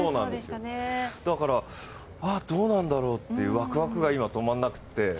だから、どうなんだろうっていうワクワクが今、止まんなくて。